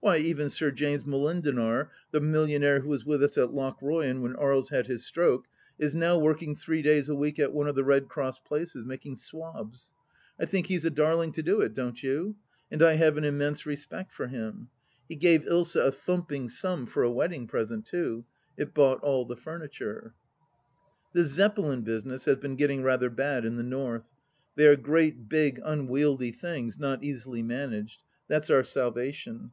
Why, even Sir James Molendinar, the millionaire who was with us at Lochroyan when Aries had his stroke, is now working three days a week at one of the Red Cross places, making swabs. I think he is a darling to do it, don't you ? and I have an immense respect for him. He gave Ilsa a thumping sum for a wedding present, too ; it bought all the furniture. The Zeppelin business has been getting rather bad in the North. They are great, big, unwieldy things, not easily managed ; that's our salvation.